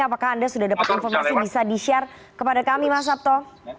apakah anda sudah dapat informasi bisa di share kepada kami mas sabto